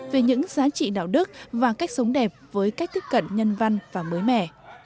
về những giá trị đạo đức và cách sống đẹp với cách tiếp cận nhân văn và mới mẻ